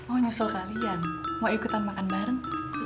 oh nyusul kalian mau ikutan makan bareng